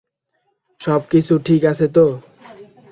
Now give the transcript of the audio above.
সবকিছু ঠিক আছে তো?